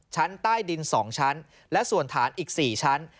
ชั้นใต้ดิน๒ชั้นและส่วนฐานอีก๔ชั้น